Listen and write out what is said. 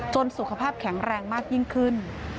สุขภาพแข็งแรงมากยิ่งขึ้น